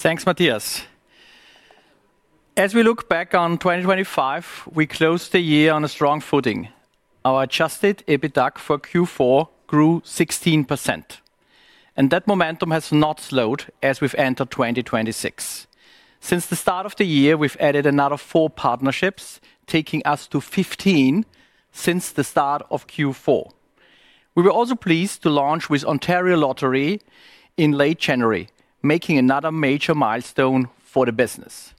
Thanks, Matthias. As we look back on 2025, we closed the year on a strong footing. Our adjusted EBITDA for Q4 grew 16%, and that momentum has not slowed as we've entered 2026. Since the start of the year, we've added another four partnerships, taking us to 15 since the start of Q4. We were also pleased to launch with Ontario Lottery in late January, making another major milestone for the business.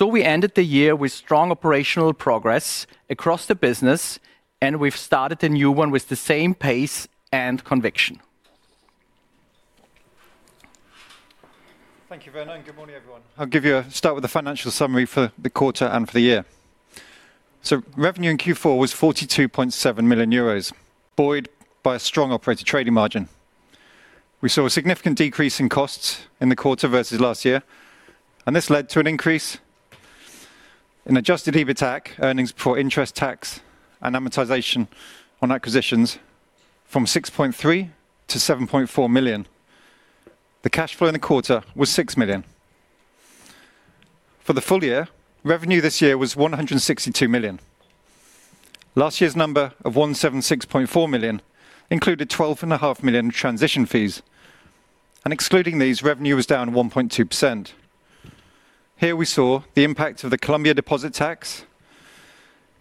We ended the year with strong operational progress across the business, and we've started a new one with the same pace and conviction. Thank you, Werner, and good morning, everyone. I'll give you a start with the financial summary for the quarter and for the year. Revenue in Q4 was 42.7 million euros, buoyed by a strong operator trading margin. We saw a significant decrease in costs in the quarter versus last year, and this led to an increase in adjusted EBITAC, earnings before interest tax and amortization on acquisitions, from 6.3 million-7.4 million. The cash flow in the quarter was 6 million. For the full year, revenue this year was 162 million. Last year's number of 176.4 million included 12.5 million transition fees, and excluding these, revenue was down 1.2%. Here we saw the impact of the Colombia deposit tax,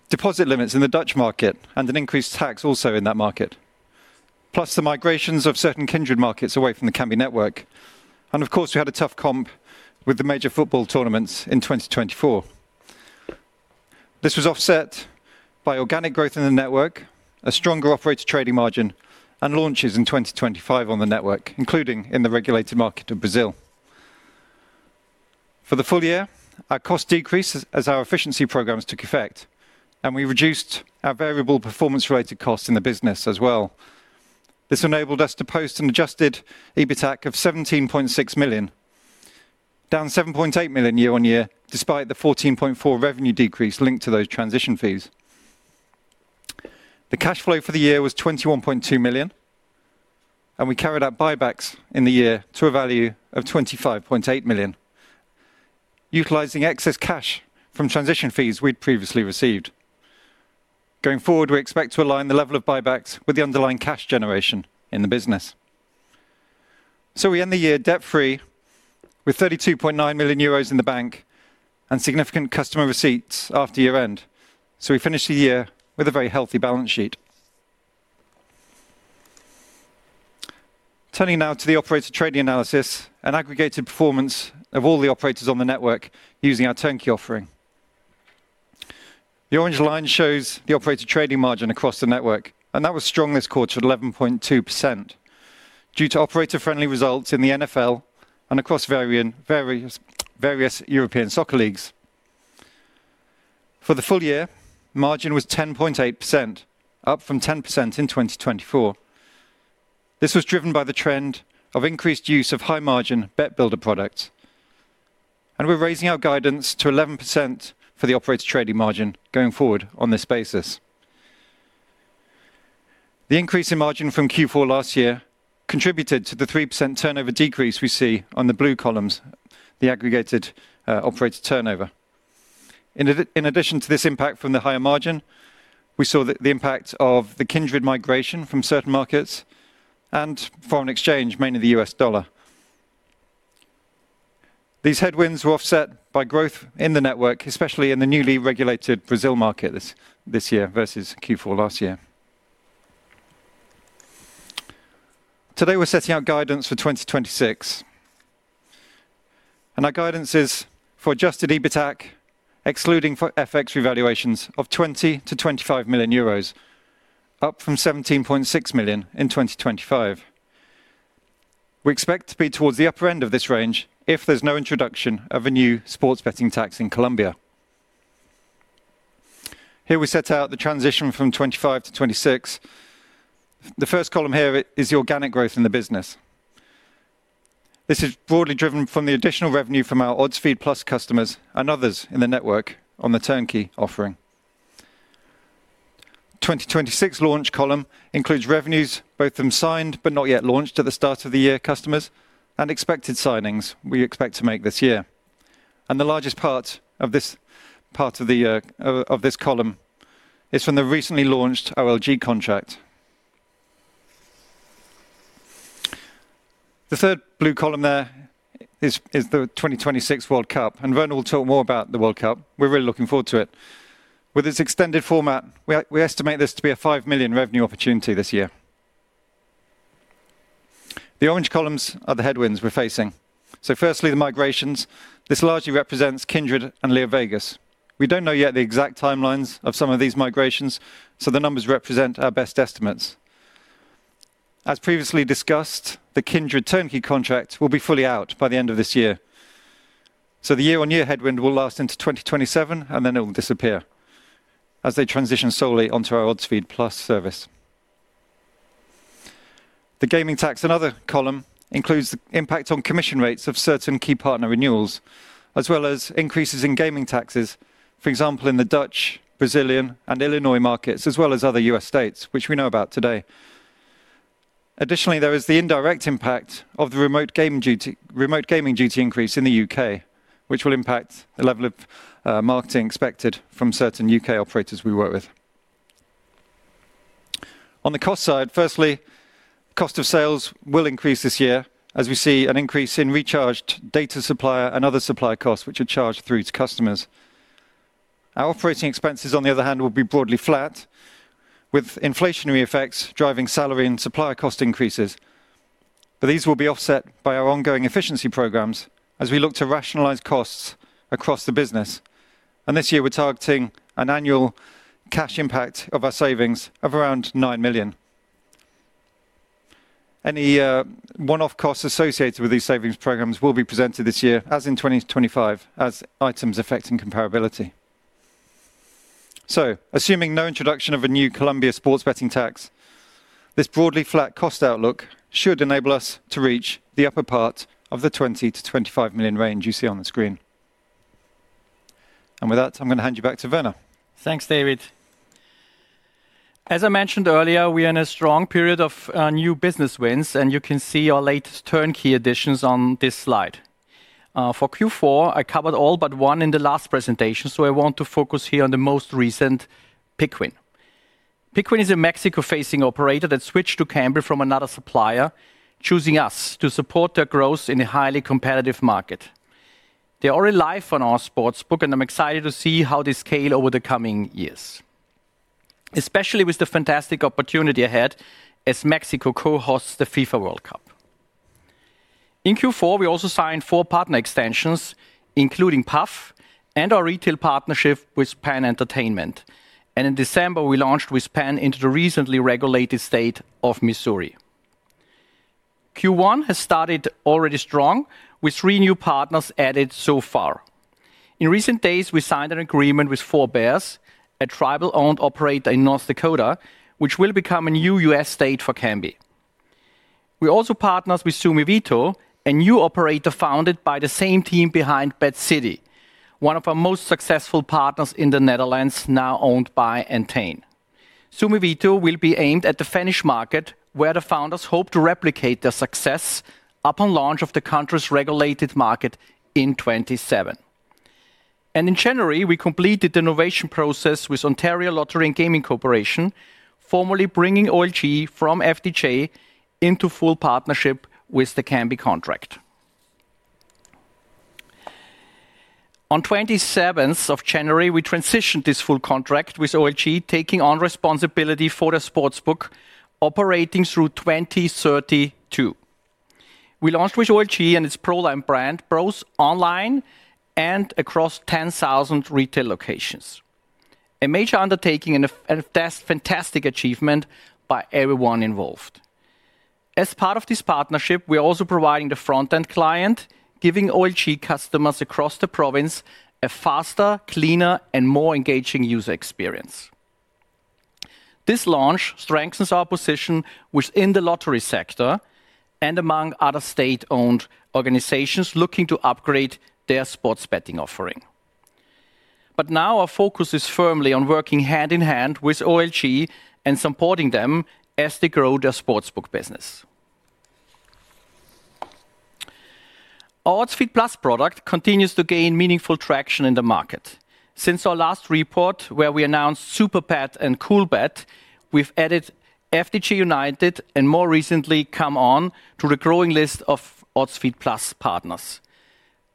deposit limits in the Dutch market, and an increased tax also in that market, plus the migrations of certain Kindred markets away from the Kambi network. And of course, we had a tough comp with the major football tournaments in 2024. This was offset by organic growth in the network, a stronger operator trading margin, and launches in 2025 on the network, including in the regulated market of Brazil. For the full year, our cost decreased as our efficiency programs took effect, and we reduced our variable performance-related costs in the business as well. This enabled us to post an adjusted EBITAC of 17.6 million, down 7.8 million year-over-year, despite the 14.4 million revenue decrease linked to those transition fees. The cash flow for the year was 21.2 million, and we carried out buybacks in the year to a value of 25.8 million, utilizing excess cash from transition fees we'd previously received. Going forward, we expect to align the level of buybacks with the underlying cash generation in the business. So we end the year debt-free with 32.9 million euros in the bank and significant customer receipts after year-end. So we finished the year with a very healthy balance sheet. Turning now to the operator trading analysis and aggregated performance of all the operators on the network using our turnkey offering. The orange line shows the operator trading margin across the network, and that was strong this quarter at 11.2%, due to operator-friendly results in the NFL and across various European soccer leagues. For the full year, margin was 10.8%, up from 10% in 2024. This was driven by the trend of increased use of high-margin Bet Builder products, and we're raising our guidance to 11% for the operator trading margin going forward on this basis. The increase in margin from Q4 last year contributed to the 3% turnover decrease we see on the blue columns, the aggregated operator turnover. In addition to this impact from the higher margin, we saw the impact of the Kindred migration from certain markets and foreign exchange, mainly the US dollar. These headwinds were offset by growth in the network, especially in the newly regulated Brazil market this year versus Q4 last year. Today, we're setting out guidance for 2026, and our guidance is for adjusted EBITAC, excluding for FX revaluations of 20 million-25 million euros, up from 17.6 million in 2025. We expect to be towards the upper end of this range if there's no introduction of a new sports betting tax in Colombia. Here we set out the transition from 2025 to 2026. The first column here is the organic growth in the business. This is broadly driven from the additional revenue from our Odds Feed+ customers and others in the network on the turnkey offering. The 2026 launch column includes revenues, both from signed, but not yet launched at the start of the year customers, and expected signings we expect to make this year. The largest part of this column is from the recently launched OLG contract. The third blue column there is the 2026 World Cup, and Werner will talk more about the World Cup. We're really looking forward to it. With its extended format, we estimate this to be a 5 million revenue opportunity this year. The orange columns are the headwinds we're facing. So firstly, the migrations. This largely represents Kindred and LeoVegas. We don't know yet the exact timelines of some of these migrations, so the numbers represent our best estimates. As previously discussed, the Kindred turnkey contract will be fully out by the end of this year. So the year-on-year headwind will last into 2027, and then it'll disappear as they transition solely onto our Odds Feed+ service. The gaming tax and other column includes the impact on commission rates of certain key partner renewals, as well as increases in gaming taxes, for example, in the Dutch, Brazilian, and Illinois markets, as well as other U.S. states, which we know about today. Additionally, there is the indirect impact of the remote gaming duty increase in the U.K., which will impact the level of marketing expected from certain U.K. operators we work with. On the cost side, firstly, cost of sales will increase this year as we see an increase in recharged data supplier and other supplier costs, which are charged through to customers. Our operating expenses, on the other hand, will be broadly flat, with inflationary effects driving salary and supplier cost increases. But these will be offset by our ongoing efficiency programs as we look to rationalize costs across the business. And this year, we're targeting an annual cash impact of our savings of around 9 million. Any, one-off costs associated with these savings programs will be presented this year, as in 2025, as items affecting comparability. So assuming no introduction of a new Colombia sports betting tax, this broadly flat cost outlook should enable us to reach the upper part of the 20-25 million range you see on the screen. And with that, I'm going to hand you back to Werner. Thanks, David. As I mentioned earlier, we are in a strong period of new business wins, and you can see our latest turnkey additions on this slide. For Q4, I covered all but one in the last presentation, so I want to focus here on the most recent, Pickwin. Pickwin is a Mexico-facing operator that switched to Kambi from another supplier, choosing us to support their growth in a highly competitive market. They are alive on our sportsbook, and I'm excited to see how they scale over the coming years, especially with the fantastic opportunity ahead as Mexico co-hosts the FIFA World Cup. In Q4, we also signed four partner extensions, including PAF and our retail partnership with Penn Entertainment, and in December, we launched with Penn into the recently regulated state of Missouri. Q1 has started already strong, with three new partners added so far. In recent days, we signed an agreement with 4 Bears, a tribal-owned operator in North Dakota, which will become a new U.S. state for Kambi. We also partners with Suomiveto, a new operator founded by the same team behind BetCity, one of our most successful partners in the Netherlands, now owned by Entain. Suomiveto will be aimed at the Finnish market, where the founders hope to replicate their success upon launch of the country's regulated market in 2027. In January, we completed the innovation process with Ontario Lottery and Gaming Corporation, formally bringing OLG from FDJ into full partnership with the Kambi contract. On 27th of January, we transitioned this full contract, with OLG taking on responsibility for the sportsbook operating through 2032. We launched with OLG and its ProLine brand, both online and across 10,000 retail locations, a major undertaking and a fantastic achievement by everyone involved. As part of this partnership, we are also providing the front-end client, giving OLG customers across the province a faster, cleaner, and more engaging user experience. This launch strengthens our position within the lottery sector and among other state-owned organizations looking to upgrade their sports betting offering. But now our focus is firmly on working hand in hand with OLG and supporting them as they grow their sportsbook business. Our Odds Feed+ product continues to gain meaningful traction in the market. Since our last report, where we announced Superbet and Coolbet, we've added FDJ United and more recently, ComeOn! to the growing list of Odds Feed+ partners.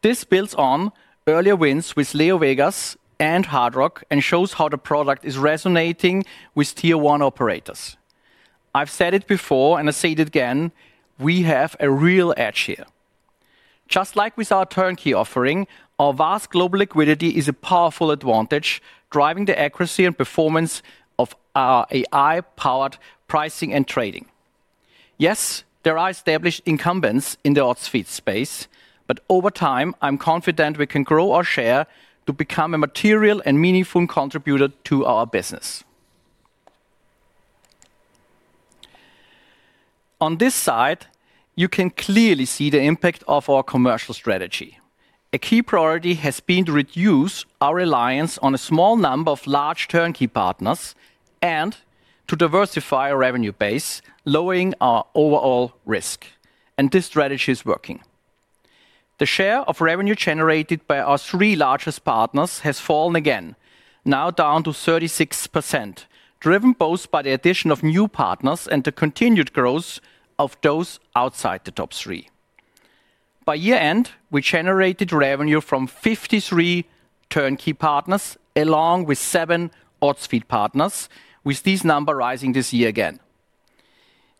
This builds on earlier wins with LeoVegas and Hard Rock and shows how the product is resonating with tier one operators. I've said it before, and I say it again, we have a real edge here. Just like with our turnkey offering, our vast global liquidity is a powerful advantage, driving the accuracy and performance of our AI-powered pricing and trading. Yes, there are established incumbents in the odds feed space, but over time, I'm confident we can grow our share to become a material and meaningful contributor to our business. On this side, you can clearly see the impact of our commercial strategy. A key priority has been to reduce our reliance on a small number of large turnkey partners and to diversify our revenue base, lowering our overall risk, and this strategy is working. The share of revenue generated by our three largest partners has fallen again, now down to 36%, driven both by the addition of new partners and the continued growth of those outside the top three. By year-end, we generated revenue from 53 turnkey partners, along with seven odds feed partners, with this number rising this year again.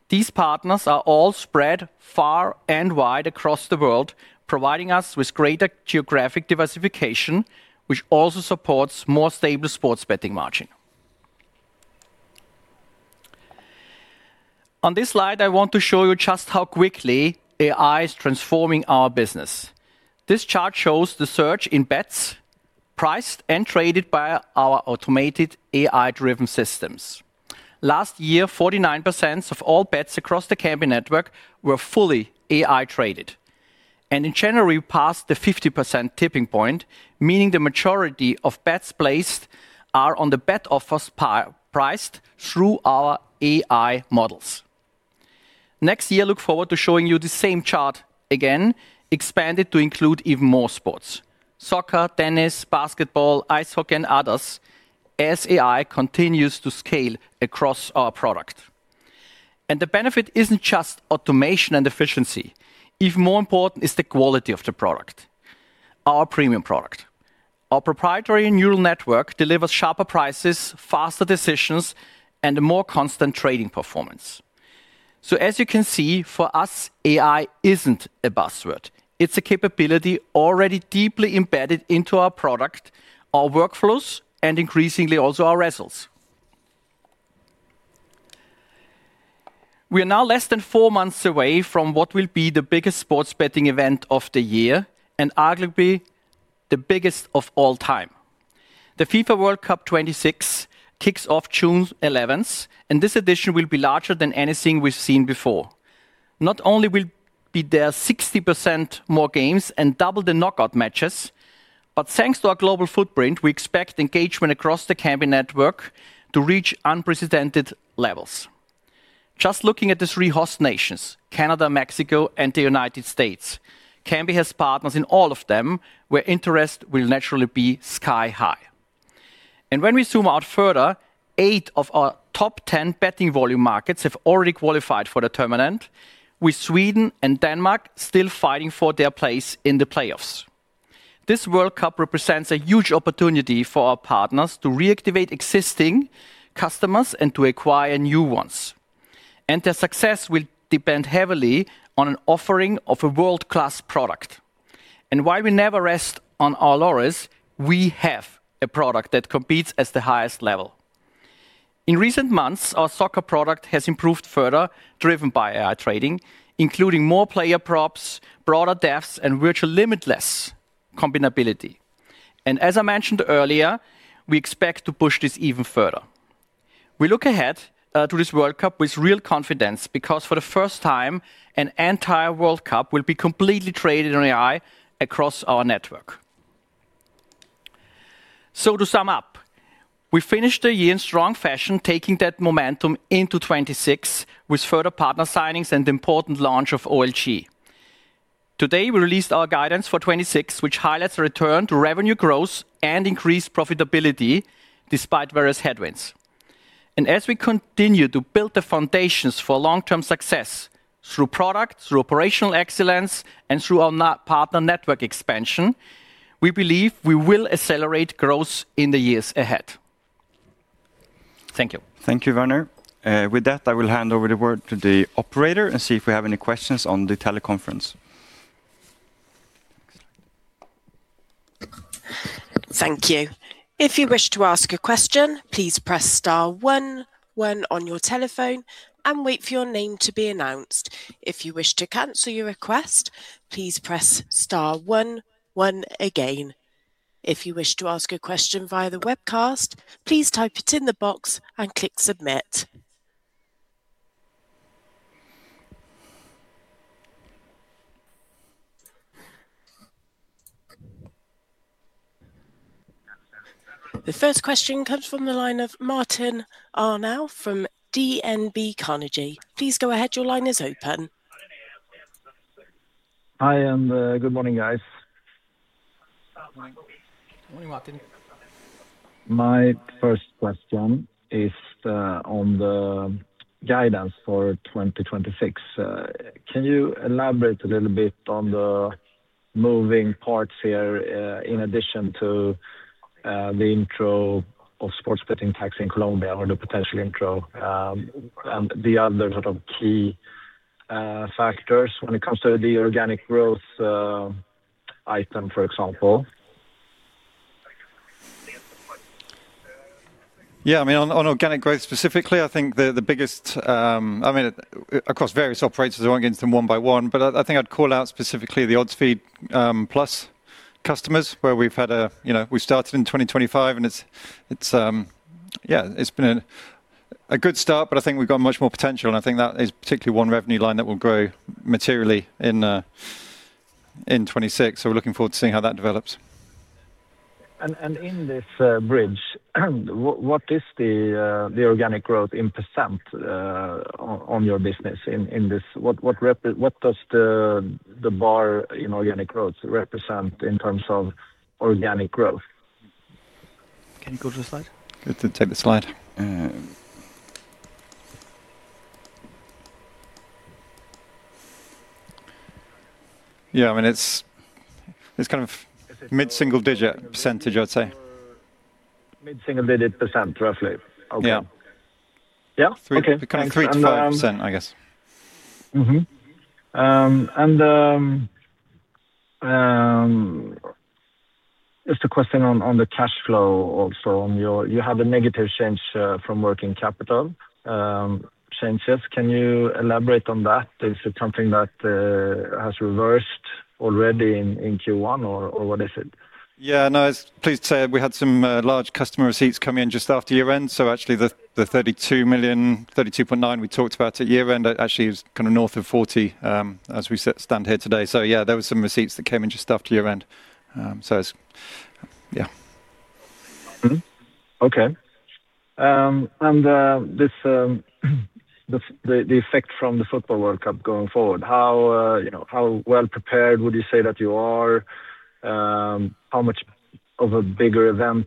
These partners are all spread far and wide across the world, providing us with greater geographic diversification, which also supports more stable sports betting margin. On this slide, I want to show you just how quickly AI is transforming our business. This chart shows the share of bets priced and traded by our automated AI-driven systems. Last year, 49% of all bets across the Kambi network were fully AI-traded. In January, we passed the 50% tipping point, meaning the majority of bets placed are on the bet offers pre-priced through our AI models. Next year, look forward to showing you the same chart again, expanded to include even more sports: soccer, tennis, basketball, ice hockey, and others, as AI continues to scale across our product. The benefit isn't just automation and efficiency. Even more important is the quality of the product, our premium product. Our proprietary neural network delivers sharper prices, faster decisions, and a more constant trading performance. As you can see, for us, AI isn't a buzzword. It's a capability already deeply embedded into our product, our workflows, and increasingly also our results. We are now less than four months away from what will be the biggest sports betting event of the year, and arguably, the biggest of all time. The FIFA World Cup 2026 kicks off June 11, and this edition will be larger than anything we've seen before. Not only will there be 60% more games and double the knockout matches, but thanks to our global footprint, we expect engagement across the Kambi network to reach unprecedented levels. Just looking at the three host nations, Canada, Mexico, and the United States, Kambi has partners in all of them, where interest will naturally be sky high. When we zoom out further, eight of our top 10 betting volume markets have already qualified for the tournament, with Sweden and Denmark still fighting for their place in the playoffs. This World Cup represents a huge opportunity for our partners to reactivate existing customers and to acquire new ones, and their success will depend heavily on an offering of a world-class product. And while we never rest on our laurels, we have a product that competes at the highest level. In recent months, our soccer product has improved further, driven by AI trading, including more player props, broader depths, and virtually limitless combinability. And as I mentioned earlier, we expect to push this even further. We look ahead to this World Cup with real confidence, because for the first time, an entire World Cup will be completely traded on AI across our network. So to sum up, we finished the year in strong fashion, taking that momentum into 2026, with further partner signings and important launch of OLG. Today, we released our guidance for 2026, which highlights a return to revenue growth and increased profitability despite various headwinds. As we continue to build the foundations for long-term success through product, through operational excellence, and through our partner network expansion, we believe we will accelerate growth in the years ahead. Thank you. Thank you, Werner. With that, I will hand over the word to the operator and see if we have any questions on the teleconference. Thank you. If you wish to ask a question, please press star one one on your telephone and wait for your name to be announced. If you wish to cancel your request, please press star one one again. If you wish to ask a question via the webcast, please type it in the box and click submit. The first question comes from the line of Martin Arnell from DNB Markets. Please go ahead. Your line is open. Hi, and good morning, guys. Good morning, Martin. My first question is on the guidance for 2026. Can you elaborate a little bit on the moving parts here, in addition to the intro of sports betting tax in Colombia or the potential intro, and the other sort of key factors when it comes to the organic growth item, for example? Yeah, I mean, on organic growth, specifically, I think the biggest, I mean, across various operators, I won't get into them one by one, but I think I'd call out specifically the Odds Feed+ customers, where we've had a, you know, we started in 2025, and it's, yeah, it's been a good start, but I think we've got much more potential, and I think that is particularly one revenue line that will grow materially in 2026. So we're looking forward to seeing how that develops. In this bridge, what is the organic growth in % on your business in this? What does the bar in organic growth represent in terms of organic growth? Can you go to the slide? Good to take the slide. Yeah, I mean, it's, it's kind of mid-single digit percent, I'd say. Mid-single digit %, roughly? Yeah. Okay. Yeah? 3, kind of 3%-5%, I guess. Mm-hmm. And just a question on the cash flow also on your... You had a negative change from working capital changes. Can you elaborate on that? Is it something that has reversed already in Q1, or what is it? Yeah, no, I was pleased to say we had some large customer receipts come in just after year-end. So actually, the thirty-two million, thirty-two point nine we talked about at year-end actually is kind of north of forty, as we stand here today. So yeah, there were some receipts that came in just after year-end. So it's... Yeah.... Mm-hmm. Okay. And this, the effect from the Football World Cup going forward, how you know, how well prepared would you say that you are? How much of a bigger event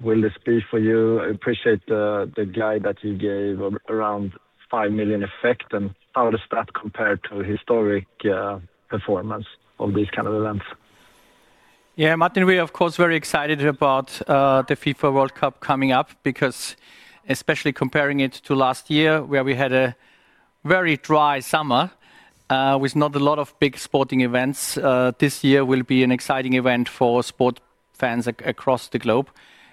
will this be for you? I appreciate the guide that you gave around 5 million effect, and how does that compare to historic performance of these kind of events? Yeah, Martin, we are, of course, very excited about the FIFA World Cup coming up, because especially comparing it to last year, where we had a very dry summer with not a lot of big sporting events, this year will be an exciting event for sport fans across the globe.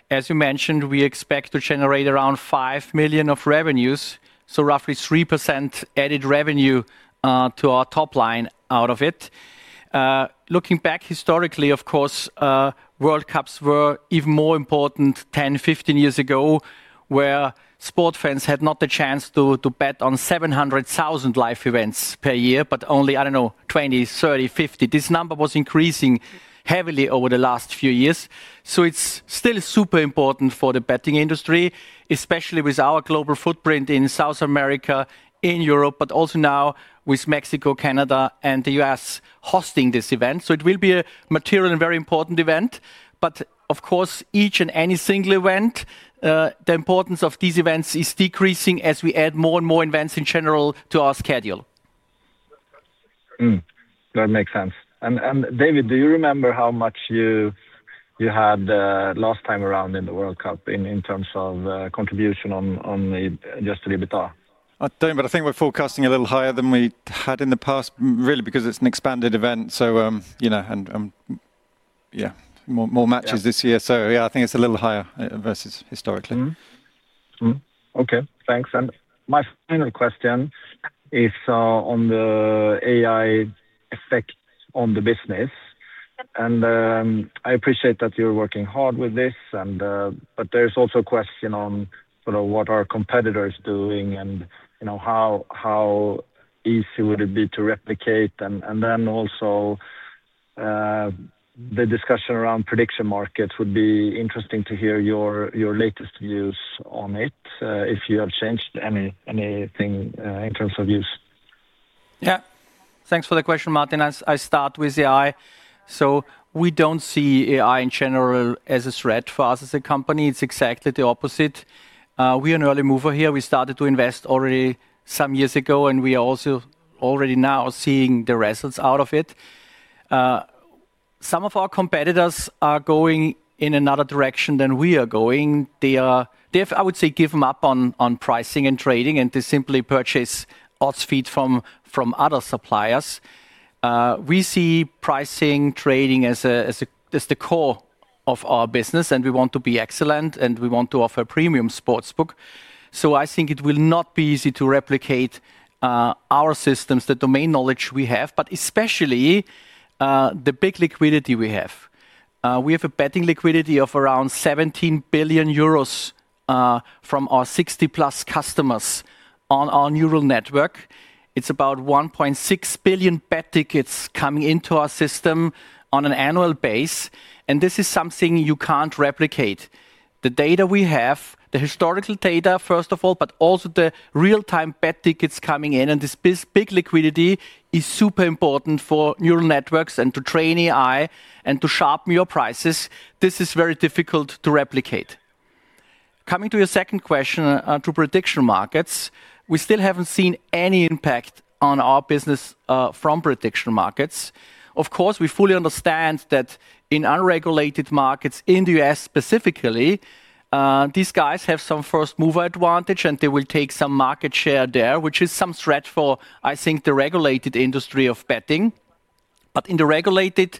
As you mentioned, we expect to generate around 5 million of revenues, so roughly 3% added revenue to our top line out of it. Looking back historically, of course, World Cups were even more important 10, 15 years ago, where sport fans had not the chance to bet on 700,000 live events per year, but only, I don't know, 20, 30, 50. This number was increasing heavily over the last few years, so it's still super important for the betting industry, especially with our global footprint in South America, in Europe, but also now with Mexico, Canada, and the US hosting this event. So it will be a material and very important event, but of course, each and any single event, the importance of these events is decreasing as we add more and more events in general to our schedule. Mm. That makes sense. And David, do you remember how much you had last time around in the World Cup in terms of contribution to the adjusted EBITDA? I don't, but I think we're forecasting a little higher than we had in the past, really, because it's an expanded event. So, you know, yeah, more matches this year. Yeah. Yeah, I think it's a little higher versus historically. Mm-hmm. Mm-hmm. Okay, thanks. And my final question is on the AI effect on the business. And I appreciate that you're working hard with this and—but there's also a question on sort of what are competitors doing and, you know, how easy would it be to replicate? And then also, the discussion around prediction markets would be interesting to hear your latest views on it, if you have changed anything in terms of use. Yeah. Thanks for the question, Martin. I start with AI. So we don't see AI in general as a threat for us as a company. It's exactly the opposite. We are an early mover here. We started to invest already some years ago, and we are also already now seeing the results out of it. Some of our competitors are going in another direction than we are going. They've, I would say, given up on pricing and trading, and they simply purchase odds feed from other suppliers. We see pricing, trading as the core of our business, and we want to be excellent, and we want to offer premium sportsbook. So I think it will not be easy to replicate our systems, the domain knowledge we have, but especially the big liquidity we have. We have a betting liquidity of around 17 billion euros from our 60-plus customers on our neural network. It's about 1.6 billion bet tickets coming into our system on an annual basis, and this is something you can't replicate. The data we have, the historical data, first of all, but also the real-time bet tickets coming in, and this big liquidity is super important for neural networks and to train AI and to sharpen your prices. This is very difficult to replicate. Coming to your second question, to prediction markets, we still haven't seen any impact on our business from prediction markets. Of course, we fully understand that in unregulated markets, in the U.S. specifically, these guys have some first-mover advantage, and they will take some market share there, which is some threat for, I think, the regulated industry of betting. But in the regulated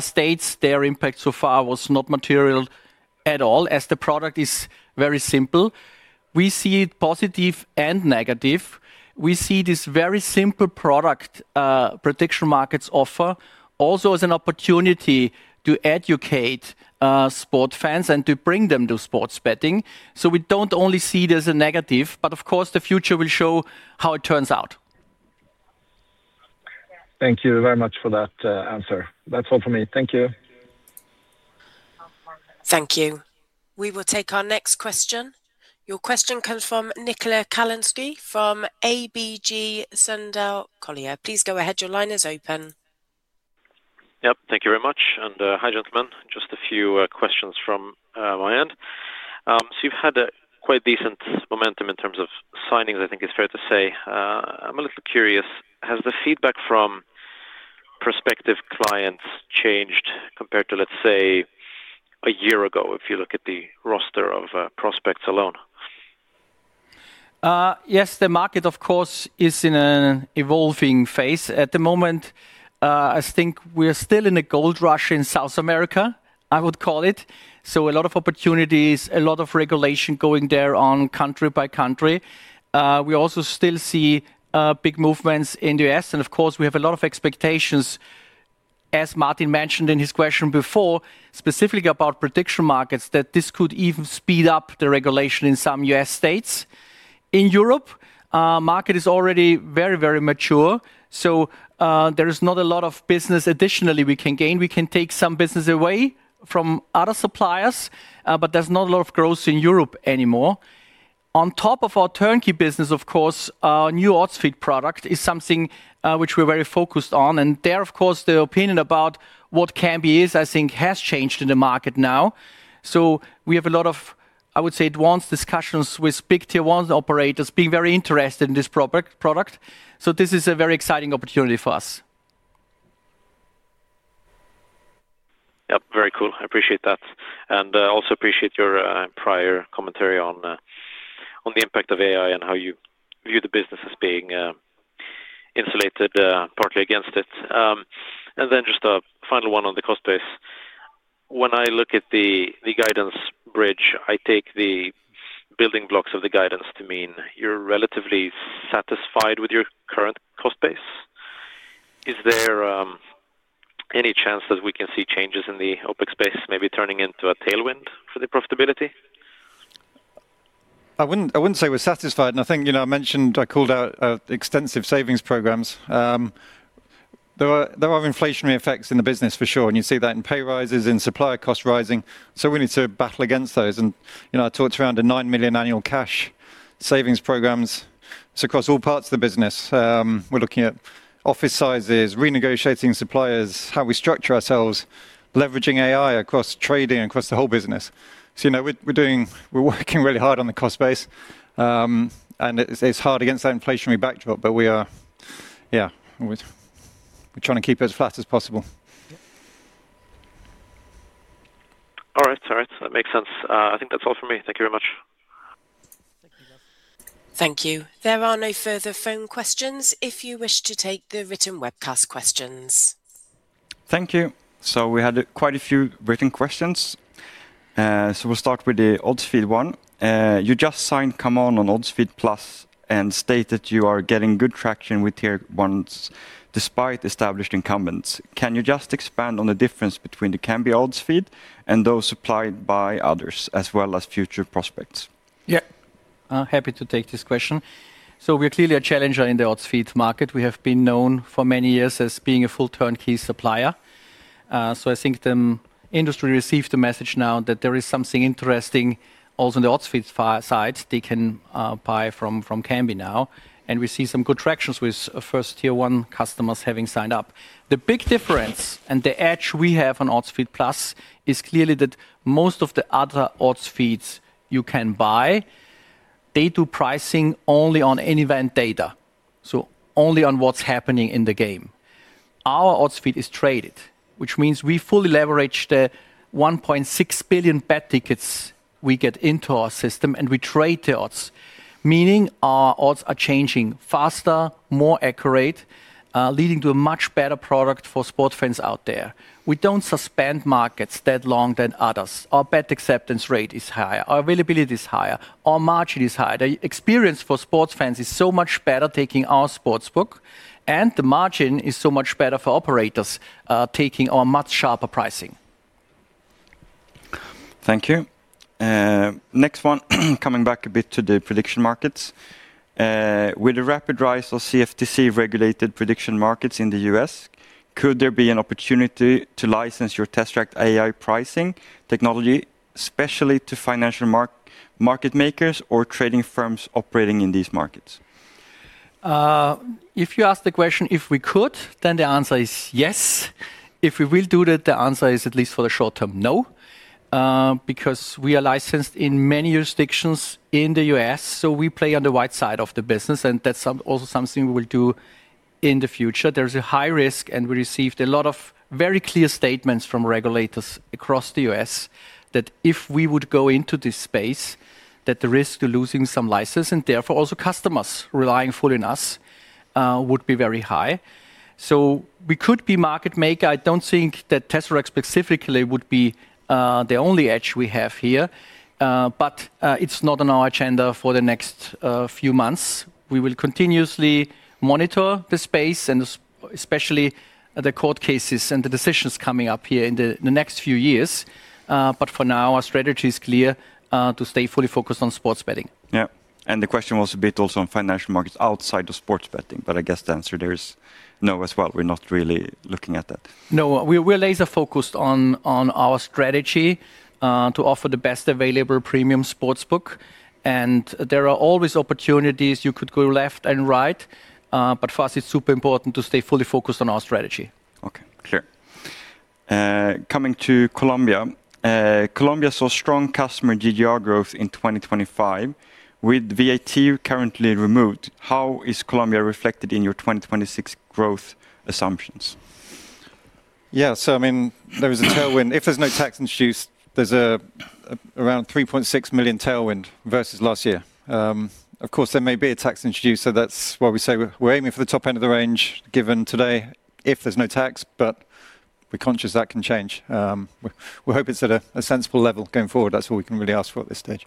states, their impact so far was not material at all, as the product is very simple. We see it positive and negative. We see this very simple product, prediction markets offer also as an opportunity to educate, sport fans and to bring them to sports betting. So we don't only see it as a negative, but of course, the future will show how it turns out. Thank you very much for that, answer. That's all for me. Thank you. Thank you. We will take our next question. Your question comes from Nikolae Kalanoski, from ABG Sundal Collier. Please go ahead. Your line is open. Yep, thank you very much. Hi, gentlemen. Just a few questions from my end. So you've had a quite decent momentum in terms of signings, I think it's fair to say. I'm a little curious, has the feedback from prospective clients changed compared to, let's say, a year ago, if you look at the roster of prospects alone? Yes, the market, of course, is in an evolving phase. At the moment, I think we are still in a gold rush in South America, I would call it. So a lot of opportunities, a lot of regulation going there on country by country. We also still see big movements in the U.S., and of course, we have a lot of expectations, as Martin mentioned in his question before, specifically about prediction markets, that this could even speed up the regulation in some U.S. states. In Europe, our market is already very, very mature, so there is not a lot of business additionally we can gain. We can take some business away from other suppliers, but there's not a lot of growth in Europe anymore. On top of our turnkey business, of course, our new odds feed product is something which we're very focused on, and there, of course, the opinion about what Kambi is, I think, has changed in the market now. So we have a lot of, I would say, advanced discussions with big tier one operators being very interested in this product. So this is a very exciting opportunity for us. Yep, very cool. I appreciate that. And I also appreciate your prior commentary on the impact of AI and how you view the business as being insulated partly against it. And then just a final one on the cost base. When I look at the guidance bridge, I take the building blocks of the guidance to mean you're relatively satisfied with your current cost base. Is there any chance that we can see changes in the OpEx base maybe turning into a tailwind for the profitability? I wouldn't, I wouldn't say we're satisfied, and I think, you know, I mentioned I called out, extensive savings programs. There are, there are inflationary effects in the business for sure, and you see that in pay rises, in supplier costs rising, so we need to battle against those. You know, I talked around a 9 million annual cash savings programs. It's across all parts of the business. We're looking at office sizes, renegotiating suppliers, how we structure ourselves, leveraging AI across trading, across the whole business. You know, we're, we're doing-- we're working really hard on the cost base, and it, it's hard against that inflationary backdrop, but we are... Yeah, we're, we're trying to keep it as flat as possible. All right. All right, that makes sense. I think that's all for me. Thank you very much. Thank you. Thank you. There are no further phone questions. If you wish to take the written webcast questions. Thank you. So we had quite a few written questions. So we'll start with the odds feed one. You just signed ComeOn! on Odds Feed+ and stated you are getting good traction with tier ones despite established incumbents. Can you just expand on the difference between the Kambi odds feed and those supplied by others, as well as future prospects? Yeah. Happy to take this question. So we're clearly a challenger in the odds feed market. We have been known for many years as being a full turnkey supplier. So I think the industry received the message now that there is something interesting also in the odds feed side they can buy from Kambi now, and we see some good traction with first tier one customers having signed up. The big difference and the edge we have on Odds Feed+ is clearly that most of the other odds feeds you can buy, they do pricing only on in-event data, so only on what's happening in the game. Our odds feed is traded, which means we fully leverage the 1.6 billion bet tickets we get into our system, and we trade the odds, meaning our odds are changing faster, more accurate, leading to a much better product for sports fans out there. We don't suspend markets that long than others. Our bet acceptance rate is higher, our availability is higher, our margin is higher. The experience for sports fans is so much better taking our sportsbook, and the margin is so much better for operators, taking our much sharper pricing. Thank you. Next one, coming back a bit to the prediction markets. With the rapid rise of CFTC-regulated prediction markets in the U.S., could there be an opportunity to license your Tzeract AI pricing technology, especially to financial market makers or trading firms operating in these markets? If you ask the question, if we could, then the answer is yes. If we will do that, the answer is, at least for the short term, no, because we are licensed in many jurisdictions in the U.S., so we play on the white side of the business, and that's also something we will do in the future. There's a high risk, and we received a lot of very clear statements from regulators across the U.S. that if we would go into this space, that the risk of losing some license and therefore also customers relying fully on us, would be very high. So we could be market maker. I don't think that Tzeract specifically would be, the only edge we have here, but, it's not on our agenda for the next, few months. We will continuously monitor the space and especially the court cases and the decisions coming up here in the next few years. But for now, our strategy is clear, to stay fully focused on sports betting. Yeah. And the question was a bit also on financial markets outside of sports betting, but I guess the answer there is no as well. We're not really looking at that. No, we're laser focused on our strategy to offer the best available premium sportsbook. And there are always opportunities you could go left and right, but for us, it's super important to stay fully focused on our strategy. Okay, clear. Coming to Colombia. Colombia saw strong customer GGR growth in 2025. With VAT currently removed, how is Colombia reflected in your 2026 growth assumptions? Yeah, so I mean, there is a tailwind. If there's no tax introduced, there's around 3.6 million tailwind versus last year. Of course, there may be a tax introduced, so that's why we say we're aiming for the top end of the range given today, if there's no tax, but we're conscious that can change. We're hoping it's at a sensible level going forward. That's all we can really ask for at this stage.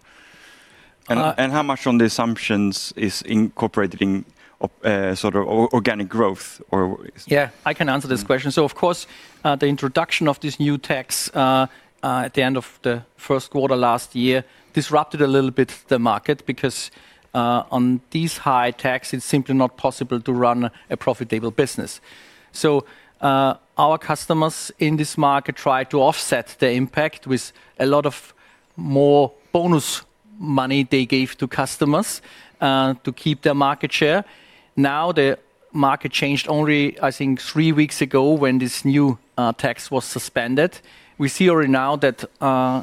And how much on the assumptions is incorporated in of sort of organic growth or? Yeah, I can answer this question. So of course, the introduction of this new tax at the end of the Q1 last year disrupted a little bit the market, because on these high tax, it's simply not possible to run a profitable business. So our customers in this market try to offset the impact with a lot of more bonus money they gave to customers to keep their market share. Now, the market changed only, I think, three weeks ago, when this new tax was suspended. We see already now that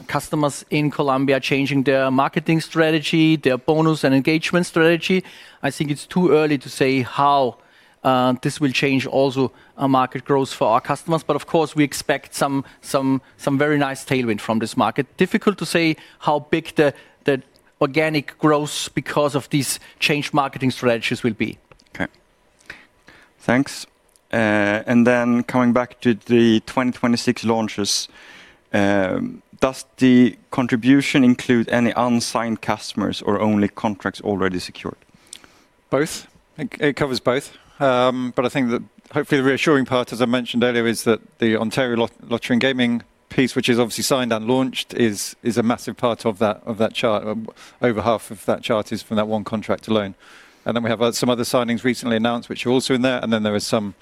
customers in Colombia are changing their marketing strategy, their bonus and engagement strategy. I think it's too early to say how this will change also our market growth for our customers, but of course, we expect some very nice tailwind from this market. Difficult to say how big the organic growth because of these changed marketing strategies will be. Okay. Thanks. And then coming back to the 2026 launches, does the contribution include any unsigned customers or only contracts already secured? Both. It covers both. But I think that hopefully the reassuring part, as I mentioned earlier, is that the Ontario Lottery and Gaming piece, which is obviously signed and launched, is a massive part of that chart. Over half of that chart is from that one contract alone. And then we have some other signings recently announced, which are also in there, and then there is some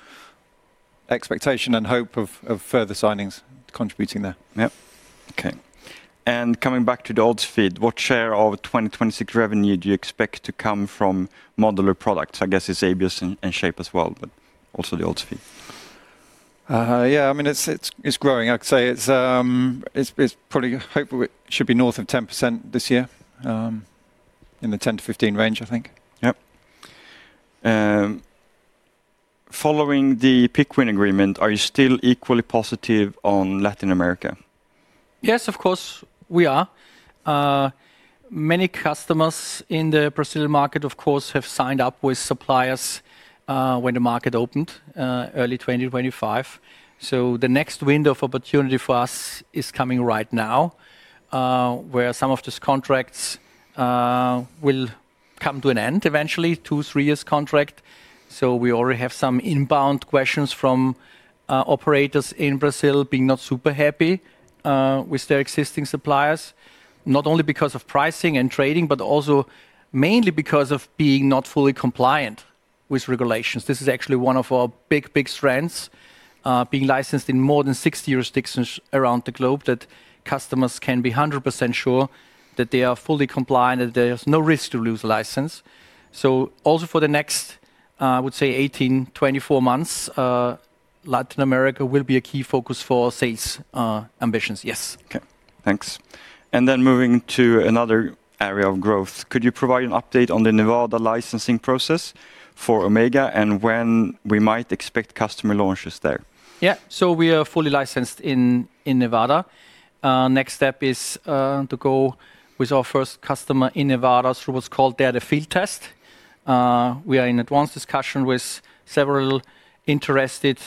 expectation and hope of further signings contributing there. Yep. Okay. And coming back to the Odds Feed+, what share of 2026 revenue do you expect to come from modular products? I guess it's Abios and Shape as well, but also the Odds Feed+. Yeah, I mean, it's growing. I'd say it's probably hopefully should be north of 10% this year, in the 10%-15% range, I think. Yep. Following the Pickwin agreement, are you still equally positive on Latin America? Yes, of course, we are. Many customers in the Brazilian market, of course, have signed up with suppliers when the market opened early 2025. So the next window of opportunity for us is coming right now, where some of these contracts will come to an end, eventually, two to three years contract. So we already have some inbound questions from operators in Brazil being not super happy with their existing suppliers. Not only because of pricing and trading, but also mainly because of being not fully compliant with regulations. This is actually one of our big, big strengths, being licensed in more than 60 jurisdictions around the globe, that customers can be 100% sure that they are fully compliant, and there is no risk to lose a license. So also for the next, I would say 18-24 months, Latin America will be a key focus for sales ambitions. Yes. Okay. Thanks. And then moving to another area of growth, could you provide an update on the Nevada licensing process for Omega and when we might expect customer launches there? Yeah. So we are fully licensed in, in Nevada. Next step is, to go with our first customer in Nevada, through what's called there, the field test. We are in advanced discussion with several interested,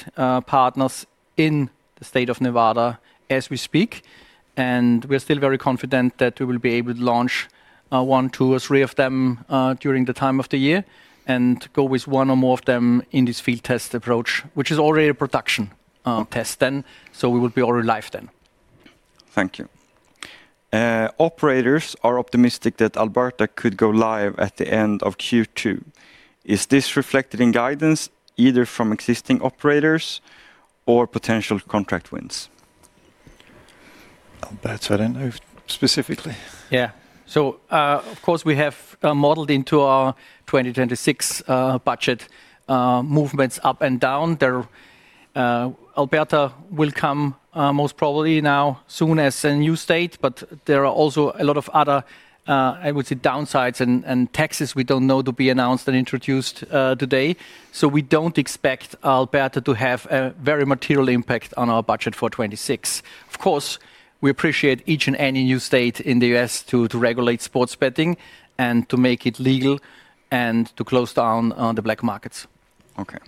partners in the state of Nevada as we speak, and we're still very confident that we will be able to launch, one, two, or three of them, during the time of the year, and go with one or more of them in this field test approach, which is already a production, test then, so we will be already live then. Thank you. Operators are optimistic that Alberta could go live at the end of Q2. Is this reflected in guidance, either from existing operators or potential contract wins? Alberta, I don't know specifically. Yeah. So, of course, we have modeled into our 2026 budget movements up and down. There, Alberta will come, most probably now soon as a new state, but there are also a lot of other, I would say, downsides and taxes we don't know to be announced and introduced today. So we don't expect Alberta to have a very material impact on our budget for 2026. Of course, we appreciate each and any new state in the U.S. to regulate sports betting and to make it legal and to close down on the black markets. Okay.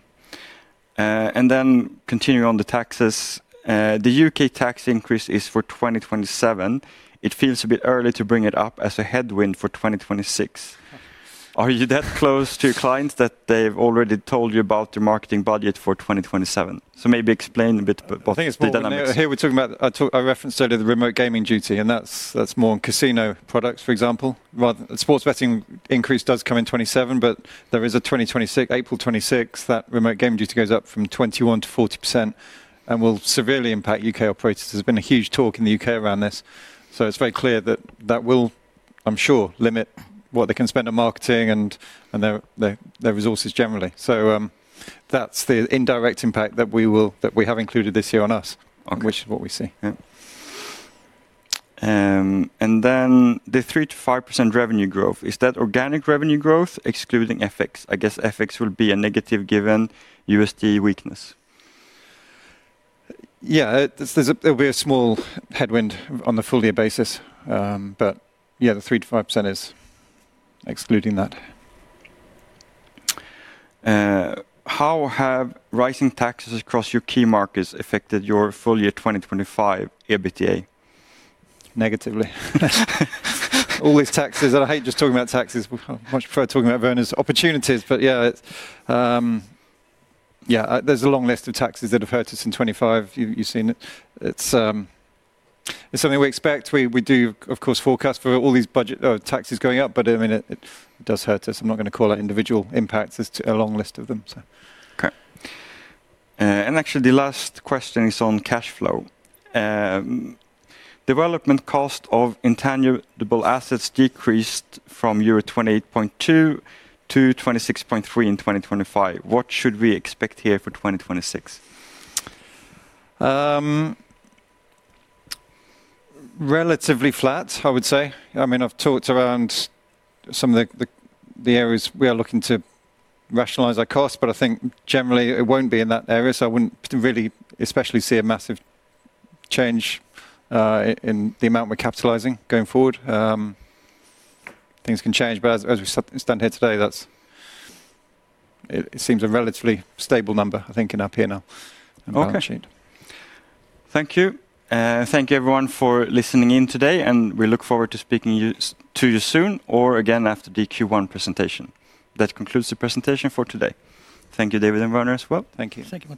And then continuing on the taxes. The UK tax increase is for 2027. It feels a bit early to bring it up as a headwind for 2026. Are you that close to your clients that they've already told you about their marketing budget for 2027? So maybe explain a bit about the dynamics. Well, here, we're talking about... I referenced earlier the Remote Gaming Duty, and that's more on casino products, for example, rather... Sports betting increase does come in 2027, but there is a 2026, April 2026, that Remote Gaming Duty goes up from 21%-40% and will severely impact U.K. operators. There's been a huge talk in the U.K. around this, so it's very clear that that will, I'm sure, limit what they can spend on marketing and their resources generally. So, that's the indirect impact that we have included this year on us- Okay... which is what we see. Yeah. And then the 3%-5% revenue growth, is that organic revenue growth excluding FX? I guess FX will be a negative given USD weakness. Yeah, there's a small headwind on the full year basis. Yeah, the 3%-5% is excluding that. How have rising taxes across your key markets affected your full year 2025 EBITDA? Negatively. All these taxes, and I hate just talking about taxes. Much prefer talking about Werner's opportunities, but yeah, yeah, there's a long list of taxes that have hurt us in 25. You've seen it. It's something we expect. We do, of course, forecast for all these budget taxes going up, but I mean, it does hurt us. I'm not gonna call out individual impacts. There's a long list of them, so. Okay. And actually, the last question is on cash flow. Development cost of intangible assets decreased from euro 28.2 to 26.3 in 2025. What should we expect here for 2026? Relatively flat, I would say. I mean, I've talked around some of the areas we are looking to rationalize our costs, but I think generally it won't be in that area, so I wouldn't really, especially see a massive change in the amount we're capitalizing going forward. Things can change, but as we stand here today, that's. It seems a relatively stable number, I think, in up here now. Okay. Thank you. Thank you everyone, for listening in today, and we look forward to speaking to you soon or again after the Q1 presentation. That concludes the presentation for today. Thank you, David and Werner, as well. Thank you. Thank you.